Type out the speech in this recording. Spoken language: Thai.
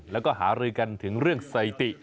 แล้วก็หารือกันถึงเรื่องสถิติ